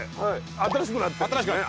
新しくなった。